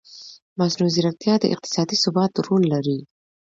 مصنوعي ځیرکتیا د اقتصادي ثبات رول لري.